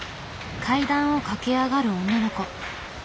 階段を駆け上がる女の子。